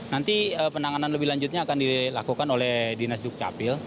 nanti penanganan lebih lanjutnya akan dilakukan oleh dinas dukcapil